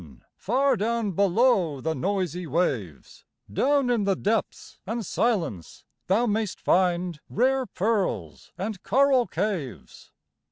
far down below the noisy waves, Down in the depths and silence thou mayst find Rare pearls and coral caves.